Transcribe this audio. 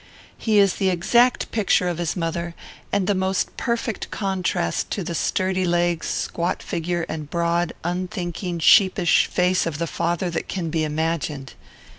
He is the exact picture of his mother, and the most perfect contrast to the sturdy legs, squat figure, and broad, unthinking, sheepish face of the father that can be imagined.